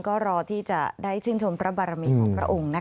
ก็รอที่จะได้ชินชมพระบรมิพระอุ๋ง